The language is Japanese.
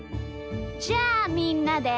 じゃあみんなで。